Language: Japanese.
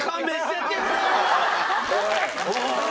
おい！